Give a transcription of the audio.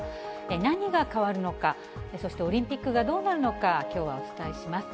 何が変わるのか、そしてオリンピックがどうなるのか、きょうはお伝えします。